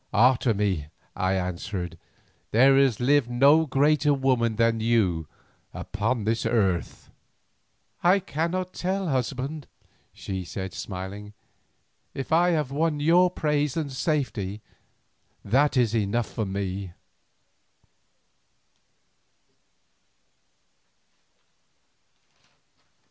"Otomie," I answered, "there has lived no greater woman than you upon this earth." "I cannot tell, husband," she said, smiling; "if I have won your praise and safety, it is enough for me."